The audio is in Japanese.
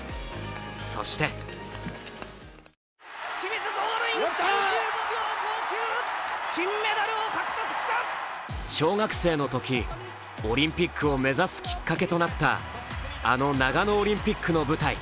そして小学生のとき、オリンピックを目指すきっかけとなったあの長野オリンピックの舞台